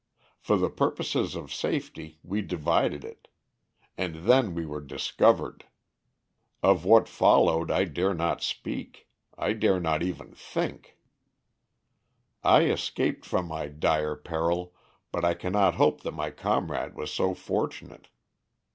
For the purposes of safety, we divided it. And then we were discovered. Of what followed I dare not speak. I dare not even think. "I escaped from my dire peril, but I cannot hope that my comrade was so fortunate.